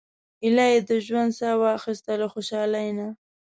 ایله یې د ژوند سا واخیسته له خوشالۍ نه.